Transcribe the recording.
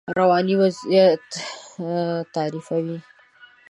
رواني وضعیت تعریفوي.